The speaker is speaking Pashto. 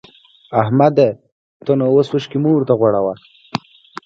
احمده! ته نو اوس اوښکی مه ورته غوړوه.